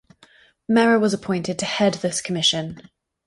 Mehra was appointed to head this commission.